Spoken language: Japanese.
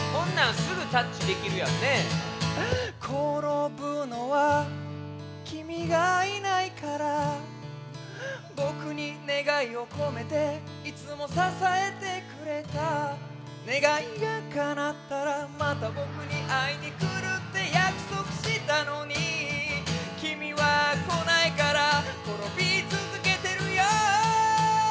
ころぶのはきみがいないからぼくにねがいをこめていつもささえてくれたねがいがかなったらまたぼくにあいにくるってやくそくしたのにきみはこないからころびつづけてるよ